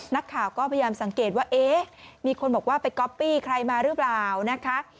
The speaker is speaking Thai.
นักข่าวก็พยายามสังเกตว่าเอ๊ะมีคนบอกว่าไปก๊อปปี้ใครมาหรือเปล่านะคะ